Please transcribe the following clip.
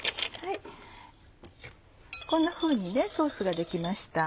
こんなふうにソースが出来ました。